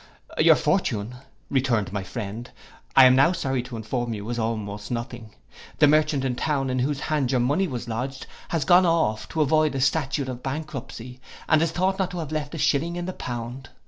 'Your fortune,' returned my friend, 'I am now sorry to inform you, is almost nothing. The merchant in town, in whose hands your money was lodged, has gone off, to avoid a statute of bankruptcy, and is thought not to have left a shilling in the pound.